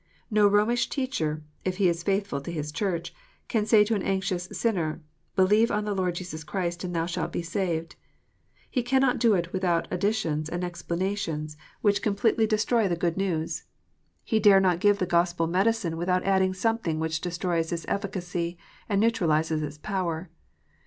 No Romish teacher, if he is faithful to his Church, can say to an anxious sinner, " Believe on the Lord Jesus Christ and tliou shalt be saved." He cannot do it without additions and explanations, which completely 380 KNOTS UNTIED. destroy the good news. He dare not give the Gospel medicine, without adding something which destroys its efficacy, and neutralizes its power.